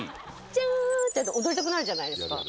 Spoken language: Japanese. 「チャーン」って踊りたくなるじゃないですか。